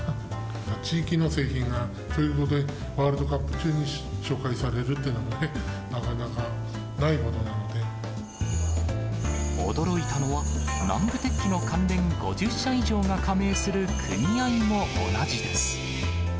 地域の製品がワールドカップ中に紹介されるっていうのはね、驚いたのは、南部鉄器の関連５０社以上が加盟する組合も同じです。